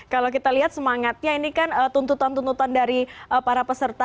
kalau kita lihat semangatnya ini kan tuntutan tuntutan dari para peserta